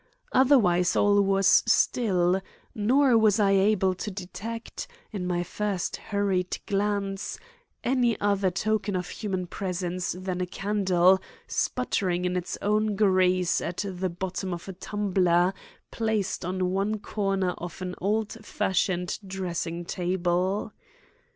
Otherwise all was still; nor was I able to detect, in my first hurried glance, any other token of human presence than a candle sputtering in its own grease at the bottom of a tumbler placed on one corner of an old fashioned dressing table.